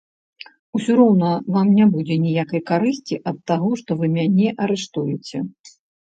Усё роўна вам не будзе ніякай карысці ад таго, што вы мяне арыштуеце.